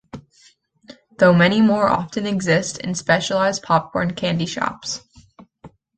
Though many more often exist in specialized popcorn candy shops.